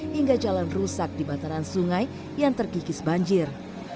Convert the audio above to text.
hingga jalan rusak di bantaran sungai yang terkikis banjir